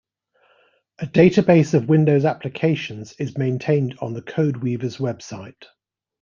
A database of Windows applications is maintained on the CodeWeavers' website.